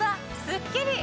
スッキリ！